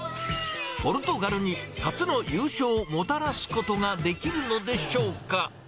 ポルトガルに初の優勝をもたらすことができるのでしょうか。